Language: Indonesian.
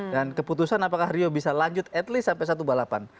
dan keputusan apakah rio bisa lanjut at least sampai satu balapan